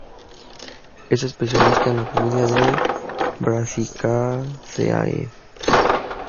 Es especialista en la familia de Brassicaceae.